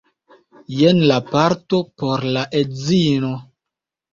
jen la parto por la edzino